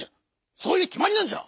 そういうきまりなんじゃ！